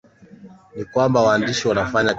ni kwamba waandishi wanafanya kazi zao